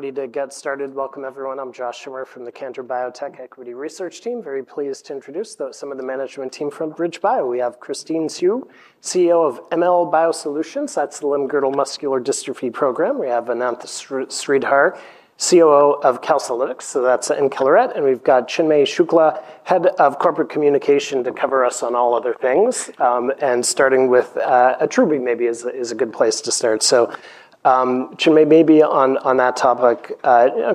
All right, we're ready to get started. Welcome, everyone. I'm Josh Schimmer from the Cantor Biotech Equity Research Team. Very pleased to introduce some of the management team from BridgeBio. We have Christine Siu, CEO of ML Bio Solutions. That's the limb-girdle muscular dystrophy program. We have Ananth Sridhar, COO of Calcilytics. So that's encaleret. We've got Chinmay Shukla, Head of Corporate Communication, to cover us on all other things. Starting with Attruby maybe is a good place to start. Chinmay, maybe on that topic,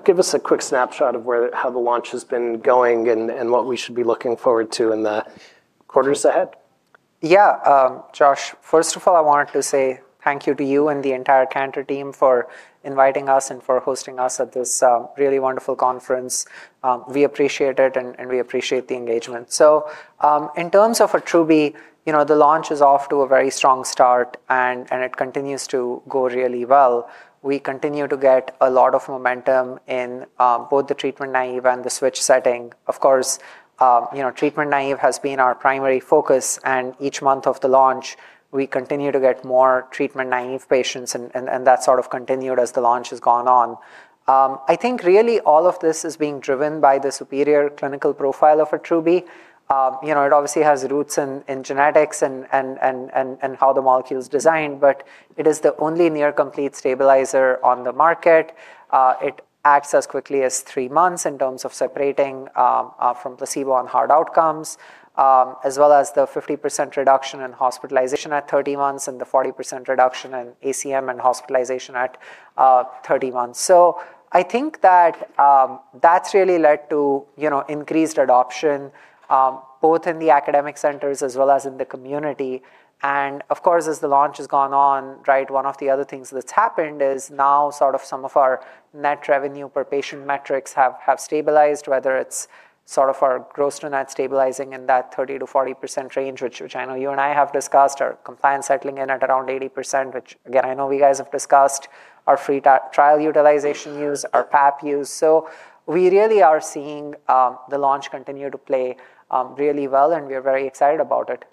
give us a quick snapshot of how the launch has been going and what we should be looking forward to in the quarters ahead. Yeah, Josh, first of all, I wanted to say thank you to you and the entire Cantor Team for inviting us and for hosting us at this really wonderful conference. We appreciate it and we appreciate the engagement. In terms of Attruby, the launch is off to a very strong start and it continues to go really well. We continue to get a lot of momentum in both the treatment naïve and the switch setting. Of course, treatment naïve has been our primary focus and each month of the launch, we continue to get more treatment naïve patients and that sort of continued as the launch has gone on. I think really all of this is being driven by the superior clinical profile of Attruby. It obviously has roots in genetics and how the molecule is designed, but it is the only near-complete stabilizer on the market. It acts as quickly as three months in terms of separating from placebo on hard outcomes, as well as the 50% reduction in hospitalization at 30 months and the 40% reduction in ACM and hospitalization at 30 months. I think that has really led to increased adoption, both in the academic centers as well as in the community. As the launch has gone on, one of the other things that's happened is now some of our net revenue per patient metrics have stabilized, whether it's our gross-to-net stabilizing in that 30%- 40% range, which I know you and I have discussed, our compliance settling in at around 80%, which again, I know you guys have discussed, our free trial utilization use, our PAP use. We really are seeing the launch continue to play really well and we are very excited about it.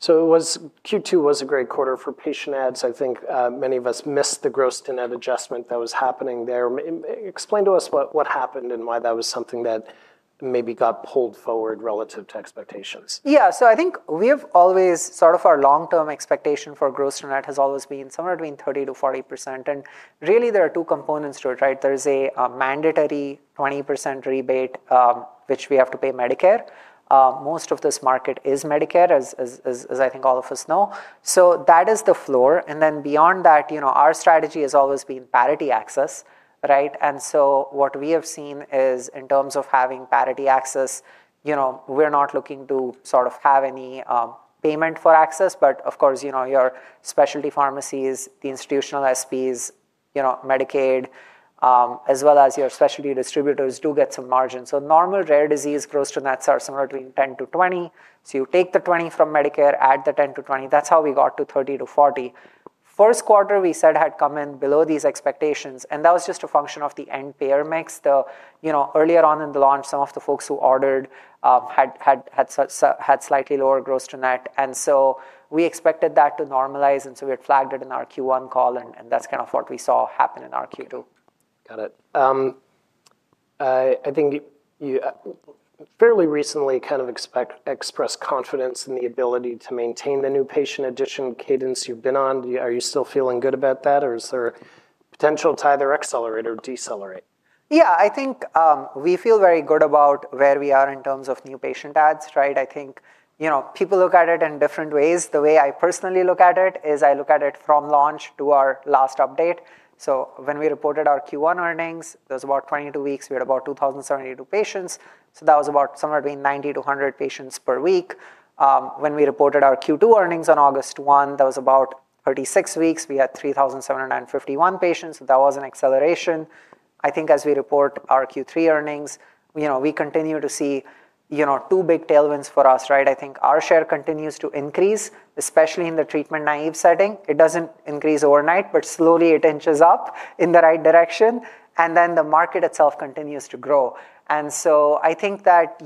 Q2 was a great quarter for patient ads. I think many of us missed the gross-to-net adjustment that was happening there. Explain to us what happened and why that was something that maybe got pulled forward relative to expectations. Yeah, so I think we have always sort of our long-term expectation for gross-to-net has always been somewhere between 30%- 40%. There are two components to it, right? There's a mandatory 20% rebate, which we have to pay Medicare. Most of this market is Medicare, as I think all of us know. That is the floor. Beyond that, our strategy has always been parity access, right? What we have seen is in terms of having parity access, we're not looking to have any payment for access, but of course, your specialty pharmacies, the institutional SPs, Medicaid, as well as your specialty distributors do get some margins. Normal rare disease gross-to-nets are somewhere between 10%- 20%. You take the 20% from Medicare, add the 10%- 20%, that's how we got to 30%- 40%. First quarter, we said had come in below these expectations, and that was just a function of the end payer mix. Earlier on in the launch, some of the folks who ordered had slightly lower gross-to-net. We expected that to normalize, and we had flagged it in our Q1 call, and that's kind of what we saw happen in our Q2. Got it. I think you fairly recently expressed confidence in the ability to maintain the new patient addition cadence you've been on. Are you still feeling good about that, or is there a potential to either accelerate or decelerate? Yeah, I think we feel very good about where we are in terms of new patient ads, right? I think people look at it in different ways. The way I personally look at it is I look at it from launch to our last update. When we reported our Q1 earnings, there's about 22 weeks, we had about 2,072 patients. That was about somewhere between 90- 100 patients per week. When we reported our Q2 earnings on August 1, that was about 36 weeks, we had 3,751 patients. That was an acceleration. I think as we report our Q3 earnings, we continue to see two big tailwinds for us, right? I think our share continues to increase, especially in the treatment naïve setting. It doesn't increase overnight, but slowly it inches up in the right direction. The market itself continues to grow. I think that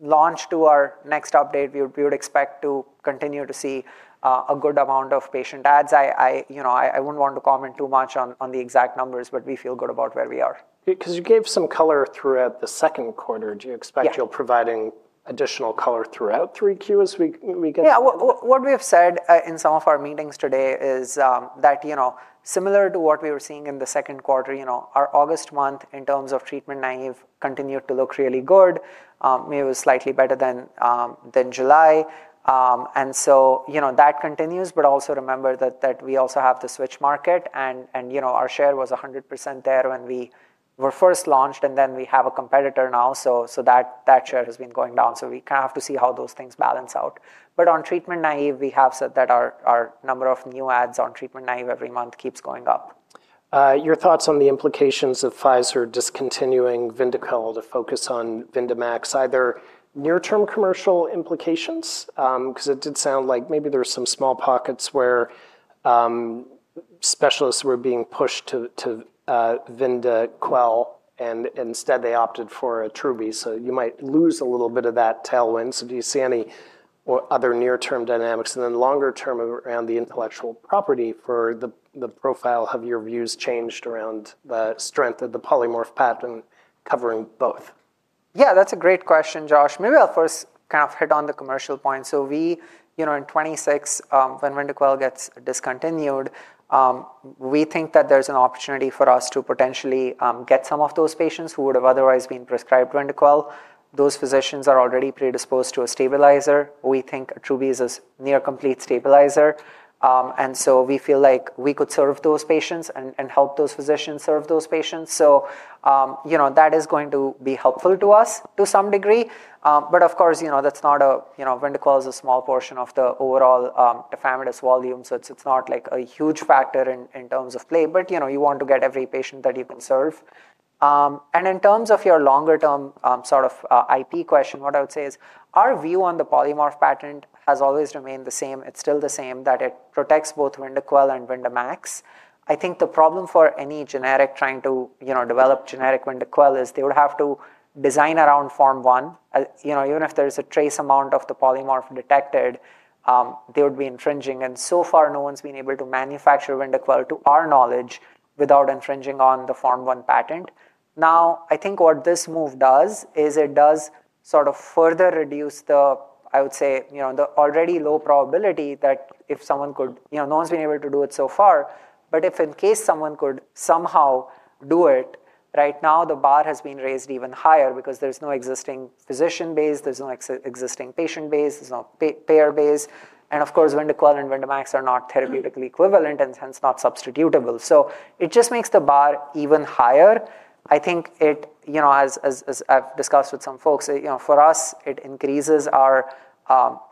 launch to our next update, we would expect to continue to see a good amount of patient ads. I wouldn't want to comment too much on the exact numbers, but we feel good about where we are. Because you gave some color throughout the second quarter, do you expect you'll provide additional color throughout 3Q as we get? Yeah, what we have said in some of our meetings today is that, you know, similar to what we were seeing in the second quarter, our August month in terms of treatment naïve continued to look really good. Maybe it was slightly better than July, and that continues. Also remember that we have the switch market. Our share was 100% there when we were first launched, and then we have a competitor now, so that share has been going down. We kind of have to see how those things balance out. On treatment naïve, we have said that our number of new ads on treatment naïve every month keeps going up. Your thoughts on the implications of Pfizer discontinuing Vyndaqel to focus on Vyndamax, either near-term commercial implications? It did sound like maybe there were some small pockets where specialists were being pushed to Vyndaqel, and instead they opted for Attruby. You might lose a little bit of that tailwind. Do you see any other near-term dynamics? Then longer term around the intellectual property for the profile, have your views changed around the strength of the polymorph patent covering both? Yeah, that's a great question, Josh. Maybe I'll first kind of hit on the commercial points OV. In 2026, when Vyndaqel gets discontinued, we think that there's an opportunity for us to potentially get some of those patients who would have otherwise been prescribed Vyndaqel. Those physicians are already predisposed to a stabilizer. We think Attruby is a near-complete stabilizer, and we feel like we could serve those patients and help those physicians serve those patients. That is going to be helpful to us to some degree. Of course, Vyndaqel is a small portion of the overall, ephemeral volume, so it's not like a huge factor in terms of play, but you want to get every patient that you can serve. In terms of your longer term, sort of, IP question, what I would say is our view on the polymorph patent has always remained the same. It's still the same that it protects both Vyndaqel and Vyndamax. I think the problem for any generic trying to develop generic Vyndaqel is they would have to design around Form 1. Even if there's a trace amount of the polymorph detected, they would be infringing. So far, no one's been able to manufacture Vyndaqel to our knowledge without infringing on the Form 1 patent. I think what this move does is it does further reduce the, I would say, already low probability that if someone could, no one's been able to do it so far, but if in case someone could somehow do it, right now the bar has been raised even higher because there's no existing physician base, there's no existing patient base, there's no payer base. Vyndaqel and Vyndamax are not therapeutically equivalent and hence not substitutable. It just makes the bar even higher. I think it, as I've discussed with some folks, for us, it increases our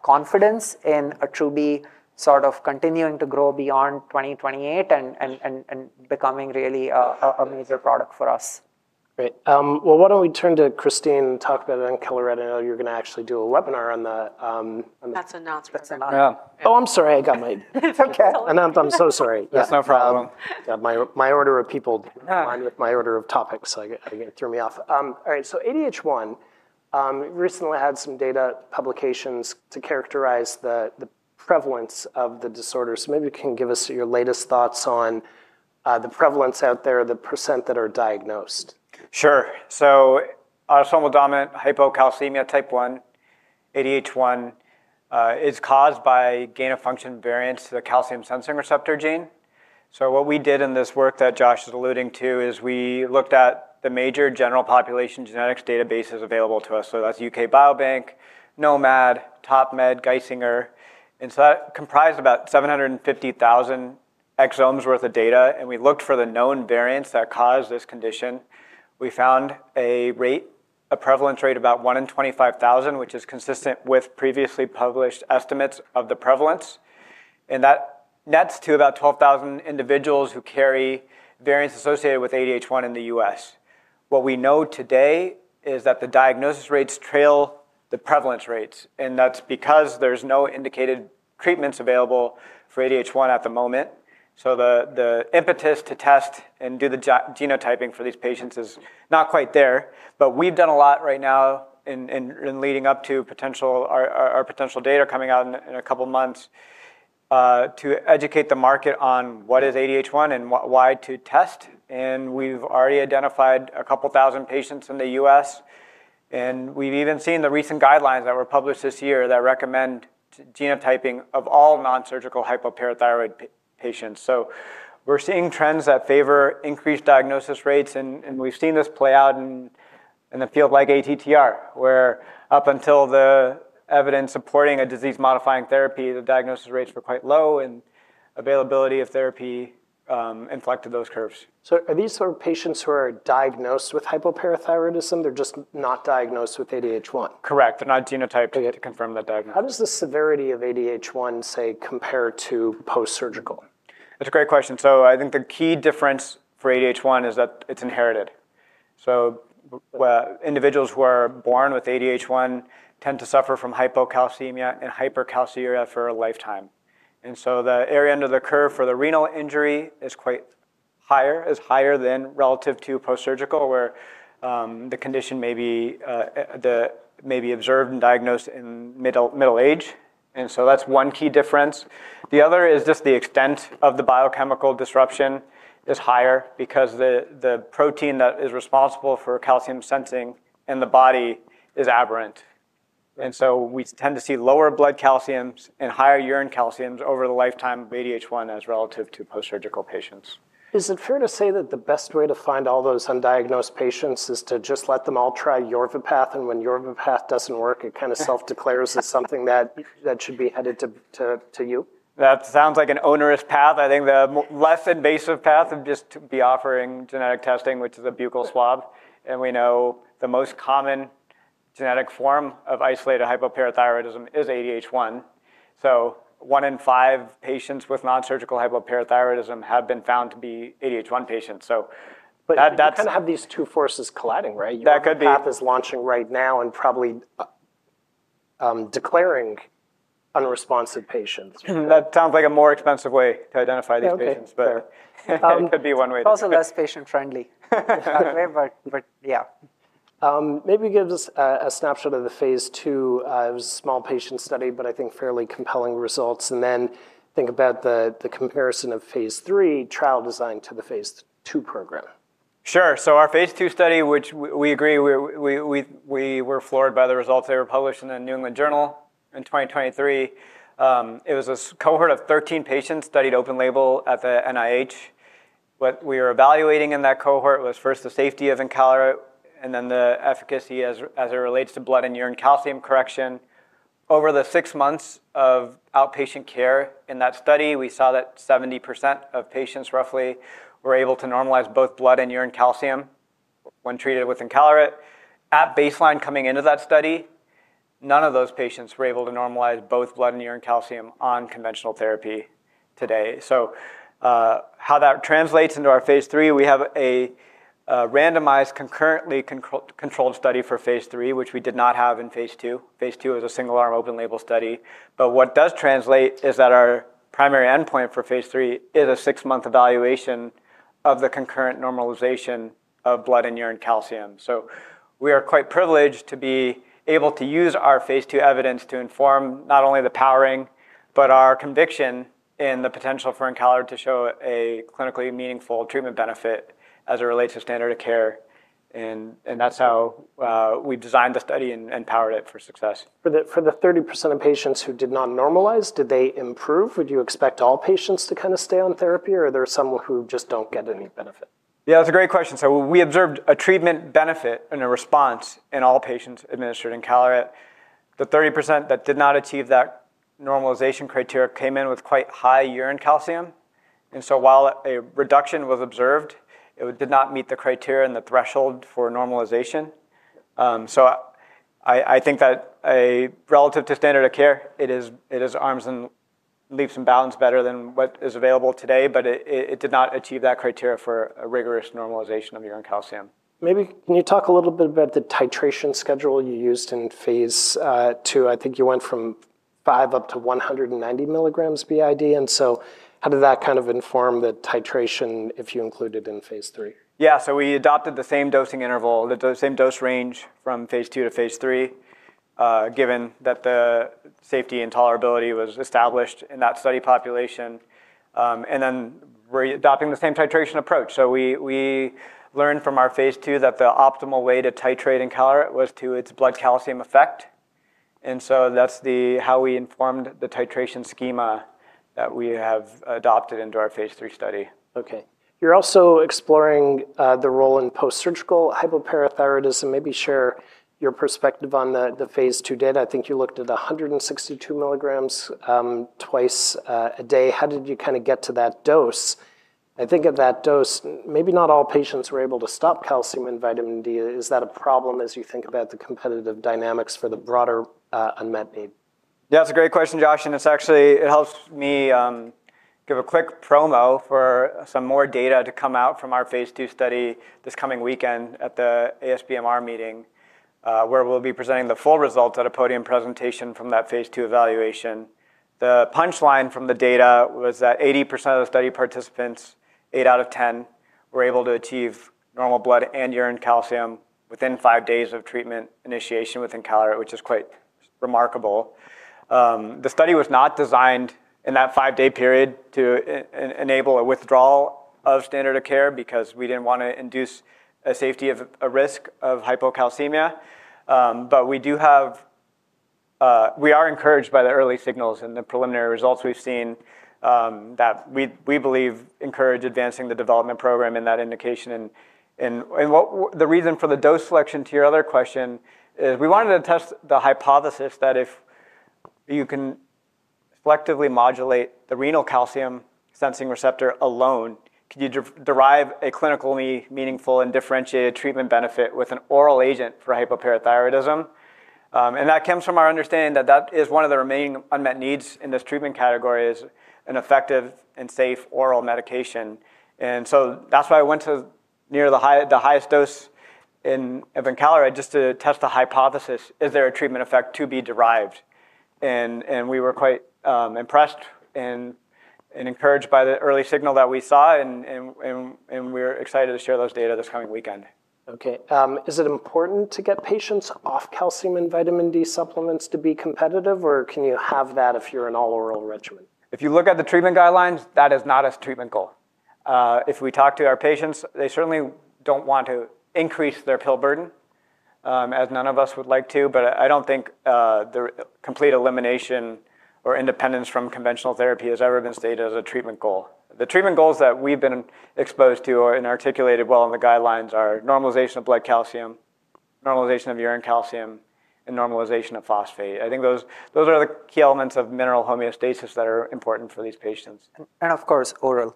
confidence in Attruby sort of continuing to grow beyond 2028 and becoming really a major product for us. Great. Why don't we turn to Christine and talk about encaleret? I know you're going to actually do a webinar on the, on the. That's announced. Oh, I'm sorry. I got my. It's okay. Ananth, I'm so sorry. It's no problem. Yeah, my order of people, my order of topics, threw me off. All right, so ADH1 recently had some data publications to characterize the prevalence of the disorder. Maybe you can give us your latest thoughts on the prevalence out there, the % that are diagnosed. Sure. Autosomal dominant hypocalcemia type 1, ADH1, is caused by gain of function variants to the calcium sensing receptor gene. What we did in this work that Josh is alluding to is we looked at the major general population genetics databases available to us. That's UK Biobank, gnomAD, TOPMed, Geisinger. That comprised about 750,000 exomes worth of data. We looked for the known variants that cause this condition. We found a prevalence rate of about 1 in 25,000, which is consistent with previously published estimates of the prevalence. That nets to about 12,000 individuals who carry variants associated with ADH1 in the U.S. What we know today is that the diagnosis rates trail the prevalence rates. That's because there's no indicated treatments available for ADH1 at the moment. The impetus to test and do the genotyping for these patients is not quite there. We've done a lot right now leading up to our potential data coming out in a couple months, to educate the market on what is ADH1 and why to test. We've already identified a couple thousand patients in the U.S. We've even seen the recent guidelines that were published this year that recommend genotyping of all non-surgical hypoparathyroid patients. We're seeing trends that favor increased diagnosis rates. We've seen this play out in a field like ATTR, where up until the evidence supporting a disease-modifying therapy, the diagnosis rates were quite low and availability of therapy inflected those curves. Are these sort of patients who are diagnosed with hypoparathyroidism? They're just not diagnosed with ADH1. Correct. They're not genotyped to confirm that diagnosis. How does the severity of ADH1, say, compare to post-surgical? That's a great question. I think the key difference for ADH1 is that it's inherited. Individuals who are born with ADH1 tend to suffer from hypocalcemia and hypercalciuria for a lifetime. The area under the curve for the renal injury is higher than relative to post-surgical, where the condition may be observed and diagnosed in middle age. That's one key difference. The other is just the extent of the biochemical disruption is higher because the protein that is responsible for calcium sensing in the body is aberrant. We tend to see lower blood calciums and higher urine calciums over the lifetime of ADH1 as relative to post-surgical patients. Is it fair to say that the best way to find all those undiagnosed patients is to just let them all try Yorvipath? When Yorvipath doesn't work, it kind of self-declares as something that should be headed to you? That sounds like an onerous path. I think the less invasive path is just to be offering genetic testing, which is a buccal swab. We know the most common genetic form of isolated hypoparathyroidism is ADH 1. One in five patients with non-surgical hypoparathyroidism have been found to be ADH 1 patients. You kind of have these two forces colliding, right? That could be. Yorvipath is launching right now and probably, declaring unresponsive patients. That sounds like a more expensive way to identify these patients, but it could be one way to do it. It's also less patient-friendly. Yeah. Maybe give us a snapshot of the phase II, a small patient study, but I think fairly compelling results. Then think about the comparison of phase III trial design to the phase II program. Sure. Our phase II study, which we agree, we were floored by the results that were published in the New England Journal in 2023. It was a cohort of 13 patients studied open-label at the NIH. What we were evaluating in that cohort was first the safety of encaleret and then the efficacy as it relates to blood and urine calcium correction. Over the six months of outpatient care in that study, we saw that 70% of patients roughly were able to normalize both blood and urine calcium when treated with encaleret. At baseline coming into that study, none of those patients were able to normalize both blood and urine calcium on conventional therapy today. That translates into our phase III, where we have a randomized concurrently controlled study, which we did not have in phase II. Phase II was a single-arm open-label study. What does translate is that our primary endpoint for phase III is a six-month evaluation of the concurrent normalization of blood and urine calcium. We are quite privileged to be able to use our phase II evidence to inform not only the powering, but our conviction in the potential for encaleret to show a clinically meaningful treatment benefit as it relates to standard of care. That is how we designed the study and powered it for success. For the 30% of patients who did not normalize, did they improve? Would you expect all patients to kind of stay on therapy, or are there some who just don't get any benefit? Yeah, that's a great question. We observed a treatment benefit and a response in all patients administered encaleret. The 30% that did not achieve that normalization criteria came in with quite high urine calcium, and while a reduction was observed, it did not meet the criteria and the threshold for normalization. I think that relative to standard of care, it is leaps and bounds better than what is available today, but it did not achieve that criteria for a rigorous normalization of urine calcium. Maybe can you talk a little bit about the titration schedule you used in phase II? I think you went from 5 up to 190 mg BID. How did that kind of inform the titration if you included in phase III? Yeah, we adopted the same dosing interval, the same dose range from phase II to phase III, given that the safety and tolerability was established in that study population. We're adopting the same titration approach. We learned from our phase II that the optimal way to titrate encaleret was to its blood calcium effect. That's how we informed the titration schema that we have adopted into our phase III study. Okay. You're also exploring the role in post-surgical hypoparathyroidism. Maybe share your perspective on the phase II data. I think you looked at 162 mg twice a day. How did you kind of get to that dose? I think of that dose, maybe not all patients were able to stop calcium and vitamin D. Is that a problem as you think about the competitive dynamics for the broader unmet need? Yeah, that's a great question, Josh. It actually helps me give a quick promo for some more data to come out from our phase II study this coming weekend at the ASBMR meeting, where we'll be presenting the full results at a podium presentation from that phase II evaluation. The punchline from the data was that 80% of the study participants, eight out of 10, were able to achieve normal blood and urine calcium within five days of treatment initiation with encaleret, which is quite remarkable. The study was not designed in that five-day period to enable a withdrawal of standard of care because we didn't want to induce a safety risk of hypocalcemia. We are encouraged by the early signals and the preliminary results we've seen, that we believe encourage advancing the development program in that indication. The reason for the dose selection to your other question is we wanted to test the hypothesis that if you can selectively modulate the renal calcium sensing receptor alone, can you derive a clinically meaningful and differentiated treatment benefit with an oral agent for hypoparathyroidism? That comes from our understanding that this is one of the remaining unmet needs in this treatment category, an effective and safe oral medication. That's why I went to near the highest dose in encaleret just to test the hypothesis, is there a treatment effect to be derived? We were quite impressed and encouraged by the early signal that we saw. We're excited to share those data this coming weekend. Okay. Is it important to get patients off calcium and vitamin D supplements to be competitive? Or can you have that if you're an all-oral regimen? If you look at the treatment guidelines, that is not a treatment goal. If we talk to our patients, they certainly don't want to increase their pill burden, as none of us would like to. I don't think the complete elimination or independence from conventional therapy has ever been stated as a treatment goal. The treatment goals that we've been exposed to are articulated well in the guidelines: normalization of blood calcium, normalization of urine calcium, and normalization of phosphate. I think those are the key elements of mineral homeostasis that are important for these patients. Of course, oral.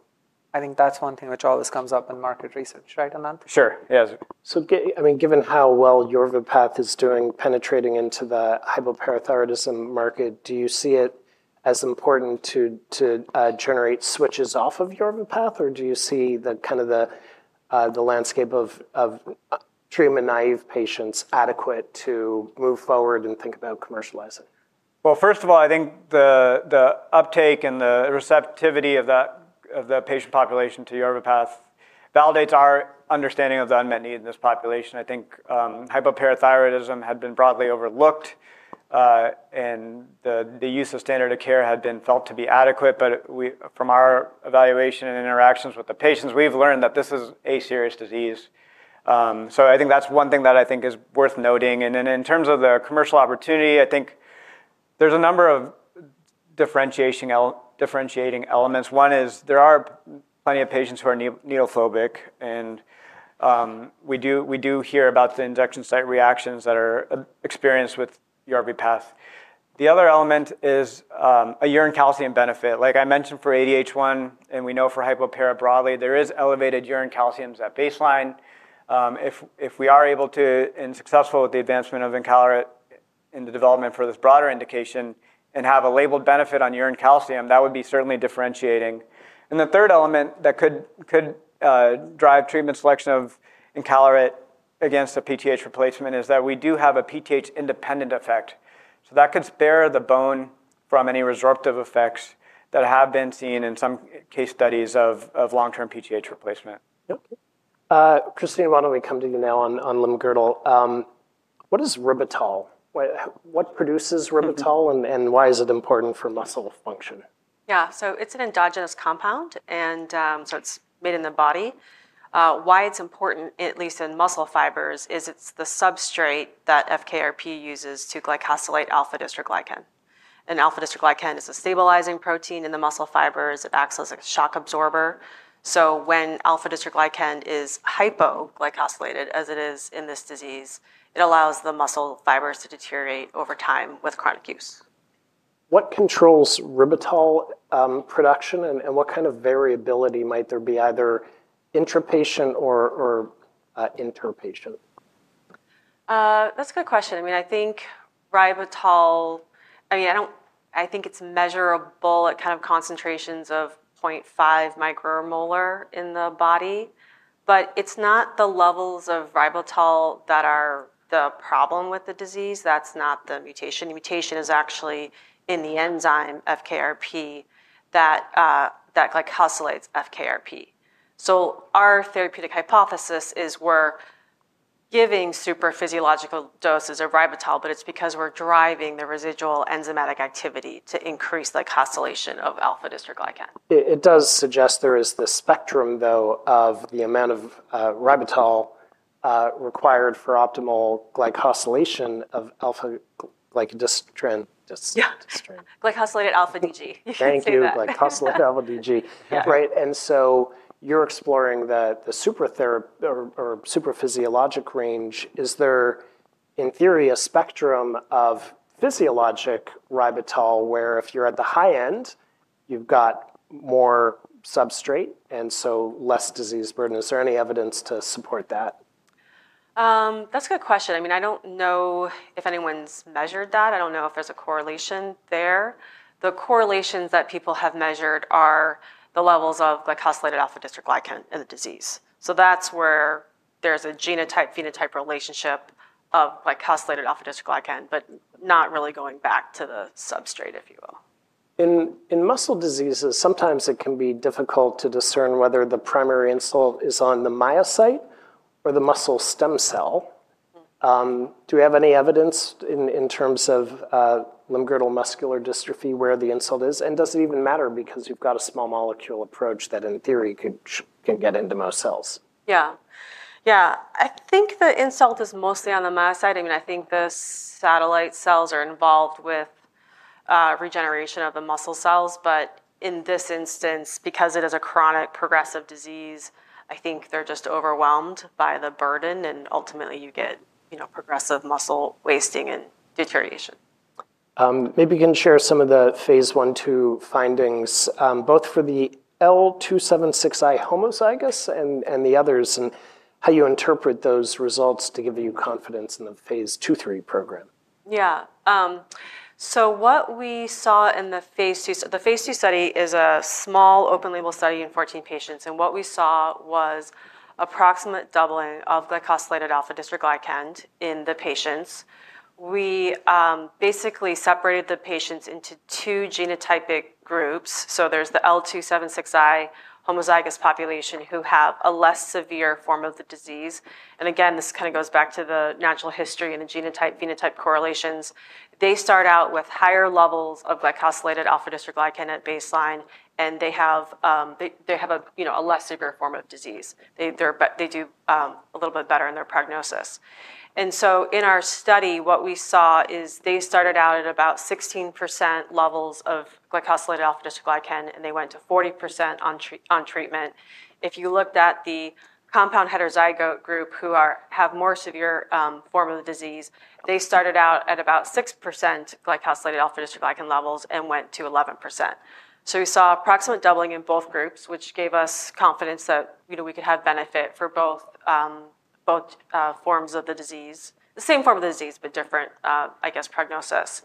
I think that's one thing which always comes up in market research, right, Ananth? Sure, yes. Given how well Yorvipath is doing penetrating into the hypoparathyroidism market, do you see it as important to generate switches off of Yorvipath? Or do you see the landscape of treatment naïve patients adequate to move forward and think about commercializing? First of all, I think the uptake and the receptivity of the patient population to Yorvipath validates our understanding of the unmet need in this population. I think hypoparathyroidism had been broadly overlooked and the use of standard of care had been felt to be adequate. From our evaluation and interactions with the patients, we've learned that this is a serious disease. I think that's one thing that is worth noting. In terms of the commercial opportunity, I think there's a number of differentiating elements. One is there are plenty of patients who are needle phobic and we do hear about the injection site reactions that are experienced with Yorvipath. The other element is a urine calcium benefit. Like I mentioned for ADH1 and we know for hypoparathyroidism broadly, there is elevated urine calcium at baseline. If we are able to and successful with the advancement of encaleret in the development for this broader indication and have a labeled benefit on urine calcium, that would be certainly differentiating. The third element that could drive treatment selection of encaleret against the PTH replacement is that we do have a PTH independent effect. That could spare the bone from any resorptive effects that have been seen in some case studies of long-term PTH replacement. Okay. Christine, why don't we come to you now on limb-girdle? What is ribitol? What produces ribitol, and why is it important for muscle function? Yeah, so it's an endogenous compound, and so it's made in the body. Why it's important, at least in muscle fibers, is it's the substrate that FKRP uses to glycosylate alpha-dystroglycan. Alpha-dystroglycan is a stabilizing protein in the muscle fibers. It acts as a shock absorber. When alpha-dystroglycan is hypoglycosylated, as it is in this disease, it allows the muscle fibers to deteriorate over time with chronic use. What controls ribitol production, and what kind of variability might there be, either intra-patient or inter-patient? That's a good question. I mean, I think ribitol, I think it's measurable at concentrations of 0.5 micromolar in the body. It's not the levels of ribitol that are the problem with the disease. That's not the mutation. The mutation is actually in the enzyme FKRP that glycosylates FKRP. Our therapeutic hypothesis is we're giving super physiological doses of ribitol because we're driving the residual enzymatic activity to increase glycosylation of alpha-dystroglycan. It does suggest there is this spectrum, though, of the amount of ribitol required for optimal glycosylation of alpha-dystroglycan. Yeah, glycosylated alpha-DG. Thank you, glycosylated alpha-DG. Right. You're exploring the super physiologic range. Is there in theory a spectrum of physiologic ribitol where if you're at the high end, you've got more substrate and so less disease burden? Is there any evidence to support that? That's a good question. I don't know if anyone's measured that. I don't know if there's a correlation there. The correlations that people have measured are the levels of glycosylated alpha-dystroglycan in the disease. That's where there's a genotype-phenotype relationship of glycosylated alpha-dystroglycan, but not really going back to the substrate, if you will. In muscle diseases, sometimes it can be difficult to discern whether the primary insult is on the myocyte or the muscle stem cell. Do we have any evidence in terms of limb-girdle muscular dystrophy where the insult is? Does it even matter because you've got a small molecule approach that in theory can get into most cells? Yeah, I think the insult is mostly on the myocyte. I mean, I think the satellite cells are involved with regeneration of the muscle cells. In this instance, because it is a chronic progressive disease, I think they're just overwhelmed by the burden. Ultimately, you get, you know, progressive muscle wasting and deterioration. Maybe you can share some of the phase I to findings, both for the L276I homozygous and the others, and how you interpret those results to give you confidence in the phase II, III program. Yeah, what we saw in the phase II, the phase II study is a small open-label study in 14 patients. What we saw was approximate doubling of glycosylated alpha-dystroglycan in the patients. We basically separated the patients into two genotypic groups. There's the L276I homozygous population who have a less severe form of the disease. This kind of goes back to the natural history and the genotype-phenotype correlations. They start out with higher levels of glycosylated alpha-dystroglycan at baseline. They have a less severe form of disease. They do a little bit better in their prognosis. In our study, what we saw is they started out at about 16% levels of glycosylated alpha-dystroglycan, and they went to 40% on treatment. If you looked at the compound heterozygote group who have a more severe form of the disease, they started out at about 6% glycosylated alpha-dystroglycan levels and went to 11%. We saw approximate doubling in both groups, which gave us confidence that we could have benefit for both forms of the disease, the same form of the disease, but different, I guess, prognosis.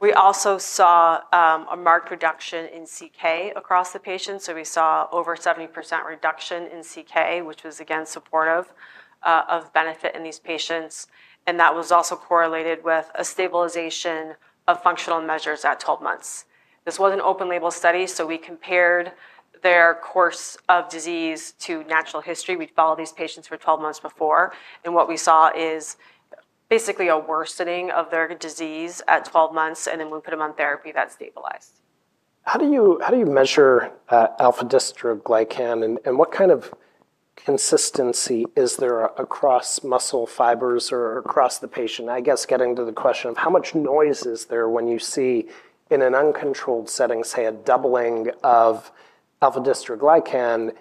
We also saw a marked reduction in CK across the patients. We saw over 70% reduction in CK, which was again supportive of benefit in these patients. That was also correlated with a stabilization of functional measures at 12 months. This was an open-label study. We compared their course of disease to natural history. We'd followed these patients for 12 months before. What we saw is basically a worsening of their disease at 12 months. We put them on therapy that stabilized. How do you measure alpha-dystroglycan? What kind of consistency is there across muscle fibers or across the patient? I guess getting to the question of how much noise is there when you see in an uncontrolled setting, say, a doubling of alpha-dystroglycan,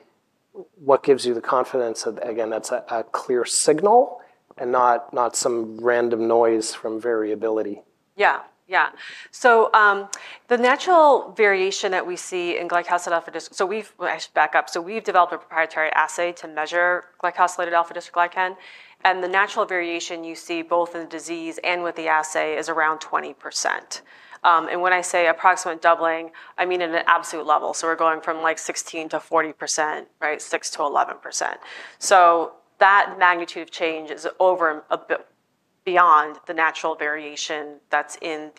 what gives you the confidence that, again, that's a clear signal and not some random noise from variability? Yeah, yeah. The natural variation that we see in glycosylated alpha-dystroglycan, we've developed a proprietary assay to measure glycosylated alpha-dystroglycan. The natural variation you see both in the disease and with the assay is around 20%. When I say approximate doubling, I mean at an absolute level. We're going from like 16% to 40%, right? 6% to 11%. That magnitude of change is over a bit beyond the natural variation that's in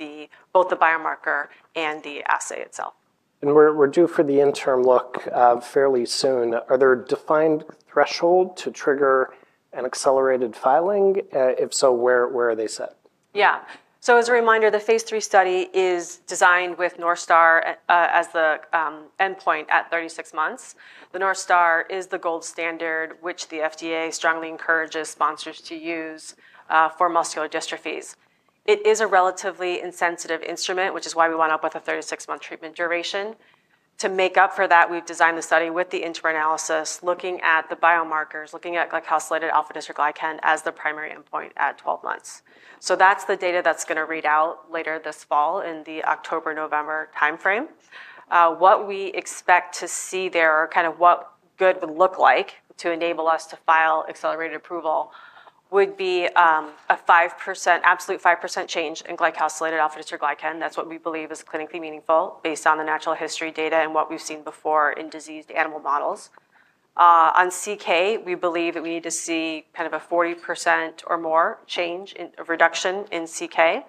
both the biomarker and the assay itself. We are due for the interim look fairly soon. Are there defined thresholds to trigger an accelerated filing? If so, where are they set? Yeah. As a reminder, the phase II study is designed with NorthStar as the endpoint at 36 months. The NorthStar is the gold standard, which the FDA strongly encourages sponsors to use for muscular dystrophies. It is a relatively insensitive instrument, which is why we went with a 36-month treatment duration. To make up for that, we've designed the study with the interim analysis, looking at the biomarkers, looking at glycosylated alpha-dystroglycan as the primary endpoint at 12 months. That's the data that's going to read out later this fall in the October-November timeframe. What we expect to see there, or kind of what good would look like to enable us to file accelerated approval, would be a 5% absolute change in glycosylated alpha-dystroglycan. That's what we believe is clinically meaningful based on the natural history data and what we've seen before in diseased animal models. On CK, we believe that we need to see kind of a 40% or more change in a reduction in CK.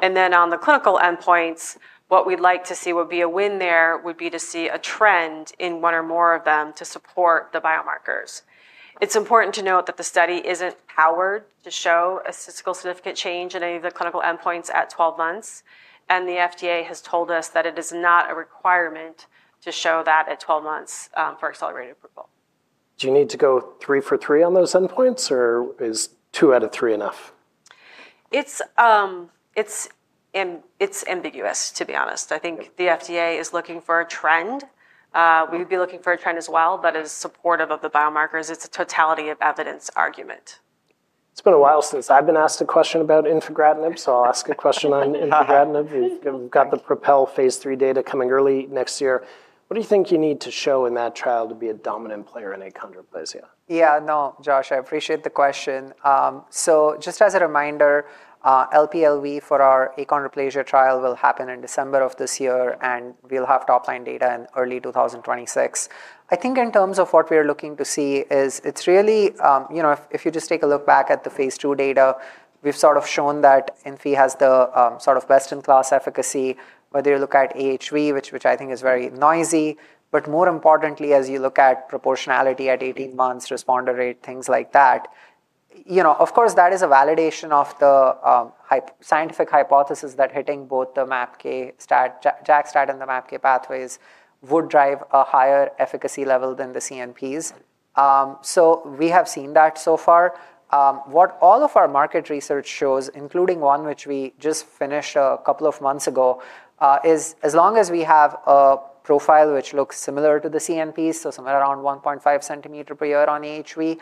Then on the clinical endpoints, what we'd like to see, a win there would be to see a trend in one or more of them to support the biomarkers. It's important to note that the study isn't powered to show a statistically significant change in any of the clinical endpoints at 12 months. The FDA has told us that it is not a requirement to show that at 12 months for accelerated approval. Do you need to go three for three on those endpoints, or is two out of three enough? It's ambiguous, to be honest. I think the FDA is looking for a trend. We would be looking for a trend as well, but as supportive of the biomarkers, it's a totality of evidence argument. It's been a while since I've been asked a question about infigratinib, so I'll ask a question on infigratinib. You've got the PROpel phase III data coming early next year. What do you think you need to show in that trial to be a dominant player in achondroplasia? Yeah, no, Josh, I appreciate the question. Just as a reminder, LPLV for our achondroplasia trial will happen in December of this year, and we'll have top-line data in early 2026. I think in terms of what we're looking to see, it's really, you know, if you just take a look back at the phase II data, we've sort of shown that infi has the sort of best-in-class efficacy, whether you look at AHV, which I think is very noisy, but more importantly, as you look at proportionality at 18 months, responder rate, things like that. Of course, that is a validation of the scientific hypothesis that hitting both the MAPK, JAK-STAT, and the MAPK pathways would drive a higher efficacy level than the CNPs. We have seen that so far. What all of our market research shows, including one which we just finished a couple of months ago, is as long as we have a profile which looks similar to the CNPs, so somewhere around 1.5 centimeters per year on AHV,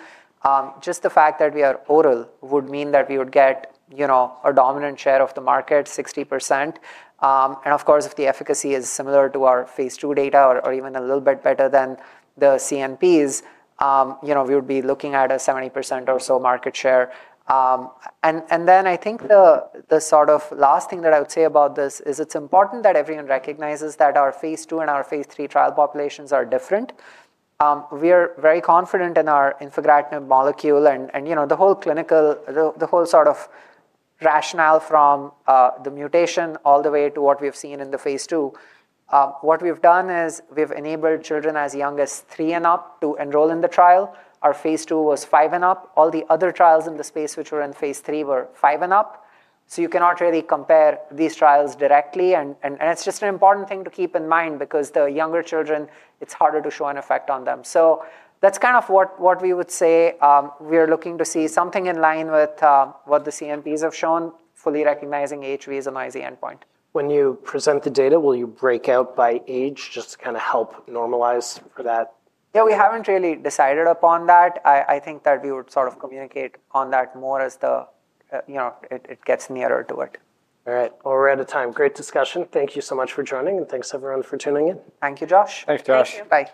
just the fact that we are oral would mean that we would get, you know, a dominant share of the market, 60%. Of course, if the efficacy is similar to our phase II data, or even a little bit better than the CNPs, we would be looking at a 70% or so market share. I think the sort of last thing that I would say about this is it's important that everyone recognizes that our phase I and our phase III trial populations are different. We are very confident in our infigratinib molecule and, you know, the whole clinical, the whole sort of rationale from the mutation all the way to what we've seen in the phase II. What we've done is we've enabled children as young as three and up to enroll in the trial. Our phase II was five and up. All the other trials in the space which were in phase III were five and up. You cannot really compare these trials directly. It's just an important thing to keep in mind because the younger children, it's harder to show an effect on them. That's kind of what we would say. We are looking to see something in line with what the CNPs have shown, fully recognizing AHV as a noisy endpoint. When you present the data, will you break out by age just to kind of help normalize for that? We haven't really decided upon that. I think that we would communicate on that more as it gets nearer to it. All right. We're out of time. Great discussion. Thank you so much for joining, and thanks everyone for tuning in. Thank you, Josh. Thanks, Josh. Thanks, everyone.